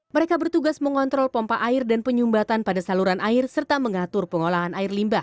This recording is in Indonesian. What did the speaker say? mereka bertugas mengontrol pompa air dan penyumbatan pada saluran air serta mengatur pengolahan air limbah